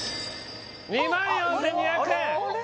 ２万４２００円あれ？